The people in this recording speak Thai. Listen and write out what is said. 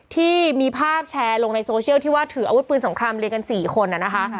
ที่มีภาพแชร์ลงในโซเชียลที่ว่าถืออาวุธปืนสงครามเรียนกัน๔คนนะคะ